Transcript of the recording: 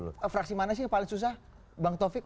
fraksi mana sih yang paling susah bang taufik